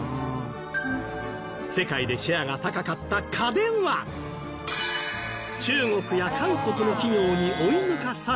世界でシェアが高かった家電は中国や韓国の企業に追い抜かされた